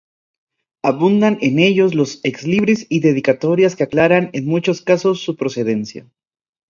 Abundan en ellos los exlibris y dedicatorias que aclaran en muchos casos su procedencia.